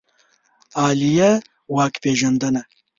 عالیه واک پېژندنه